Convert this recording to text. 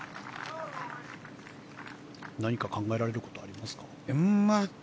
何か考えられることはありますか。